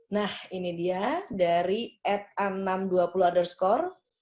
nah ini dia dari etanam dua puluh underscore